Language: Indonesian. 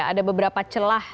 ada beberapa celah